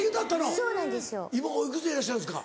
そうなんですよ。